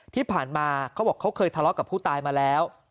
ที่ผ่านมาเขาบอกเขาเคยทะเลาะกับผู้ตายมาแล้ว